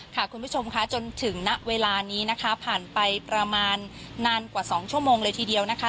คุณผู้ชมค่ะจนถึงณเวลานี้นะคะผ่านไปประมาณนานกว่า๒ชั่วโมงเลยทีเดียวนะคะ